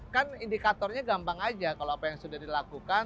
kan indikatornya gampang aja kalau apa yang sudah dilakukan